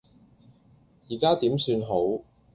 而家點算好